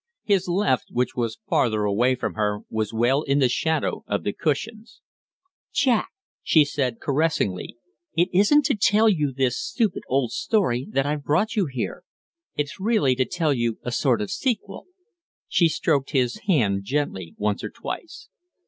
His left, which was farther away from her, was well in the shadow of the cushions. "Jack," she said, caressingly, "it isn't to tell you this stupid old story that I've brought you here; it's really to tell you a sort of sequel." She stroked his hand gently once or twice.